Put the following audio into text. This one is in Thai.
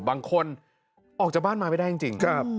บางคนออกจากบ้านมาไม่ได้จริง